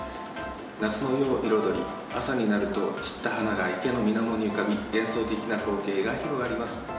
夏の夜を彩り、朝になると散った花が池の水面に浮かび幻想的な光景が広がります。